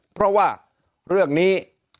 เพราะว่าเรื่องนี้